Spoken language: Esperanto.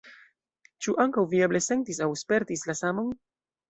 Ĉu ankaŭ vi eble sentis aŭ spertis la samon?